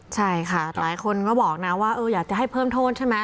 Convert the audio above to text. ใช่ค่ะหลายคนก็บอกนะว่าอยากจะให้เพิ่มโทษใช่ไหม